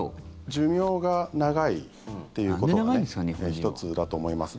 寿命が長いっていうことが１つだと思います。